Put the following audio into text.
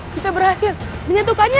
kita berhasil menyentuhkannya